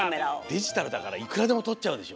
デジタルだからいくらでもとっちゃうでしょ？